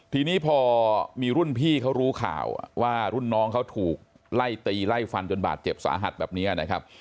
ทีนี้พอมีรุ่นพี่เขารู้ข่าวว่ารุ่นน้องเขาถูกไล่ตีไล่ฟันจนบาดเจ็บสาหัสแบบนี้นะครับ